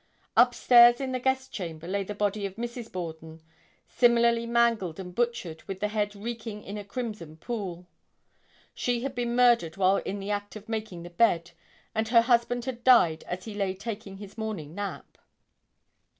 Up stairs in the guest chamber lay the body of Mrs. Borden similarly mangled and butchered with the head reeking in a crimson pool. She had been murdered while in the act of making the bed and her husband had died as he lay taking his morning nap.